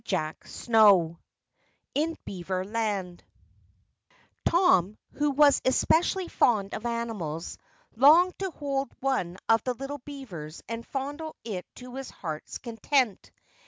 CHAPTER 16 In Beaver Land Tom, who was especially fond of animals, longed to hold one of the little beavers and fondle it to his heart's content.